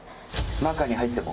中に入っても？